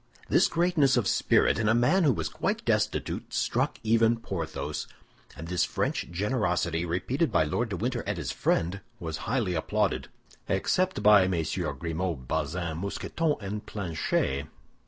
This greatness of spirit in a man who was quite destitute struck even Porthos; and this French generosity, repeated by Lord de Winter and his friend, was highly applauded, except by MM. Grimaud, Bazin, Mousqueton and Planchet.